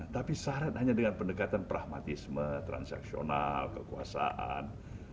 tapi syarat hanya dengan pendekatan pragmatisme transaksional kekuasaan